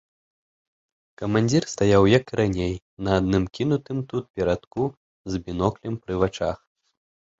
Камандзір стаяў, як і раней, на адным кінутым тут перадку, з біноклем пры вачах.